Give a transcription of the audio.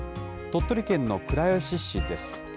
鳥取県の倉吉市です。